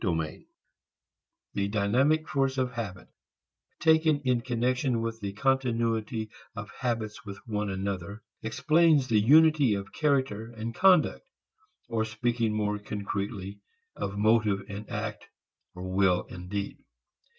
III The dynamic force of habit taken in connection with the continuity of habits with one another explains the unity of character and conduct, or speaking more concretely of motive and act, will and deed.